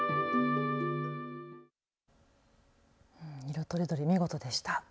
色とりどり見事でした。